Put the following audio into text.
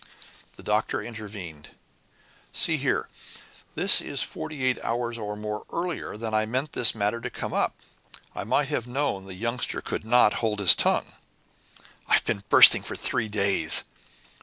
The Doctor intervened. "See here, this is forty eight hours or more earlier than I meant this matter to come up. I might have known the Youngster could not hold his tongue." "I've been bursting for three days."